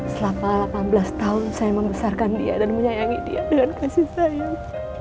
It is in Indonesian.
selama delapan belas tahun saya membesarkan dia dan menyayangi dia dengan kasih sayang